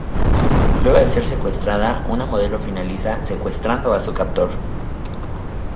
Luego de ser secuestrada una modelo finaliza secuestrando a su captor.